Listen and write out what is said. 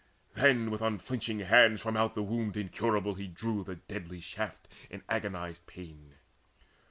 Then with unflinching hands from out the wound Incurable he drew the deadly shaft In agonized pain.